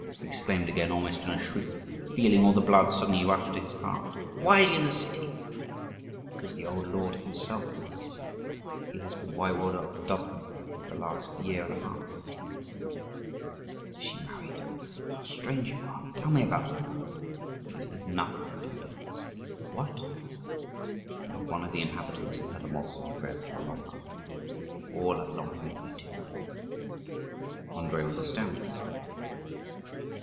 he exclaimed, again almost in a shriek, and feeling all the blood suddenly rush to his heart. "Why is she in the city?" "Because the old lord himself is in the city: he has been Waiwode of Dubno for the last year and a half." "Is she married? How strange you are! Tell me about her." "She has eaten nothing for two days." "What!" "And not one of the inhabitants has had a morsel of bread for a long while; all have long been eating earth." Andrii was astounded.